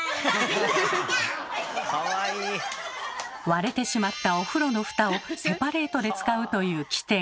割れてしまったお風呂のフタをセパレートで使うという機転。